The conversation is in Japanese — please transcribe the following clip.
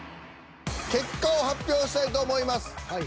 結果を発表したいと思います。